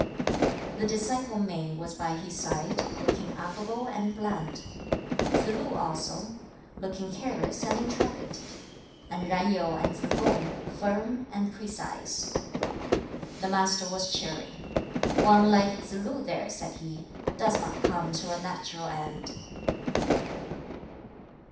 The disciple Min was by his side, looking affable and bland; Tsz lu also, looking careless and intrepid; and Yen Yu and Tsz kung, firm and precise. The Master was cheery. "One like Tsz lu there," said he, "does not come to a natural end."